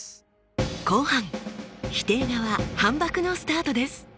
後半否定側反ばくのスタートです！